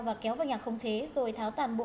và kéo vào nhà không chế rồi tháo toàn bộ